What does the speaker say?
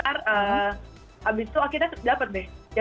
habis itu kita dapet deh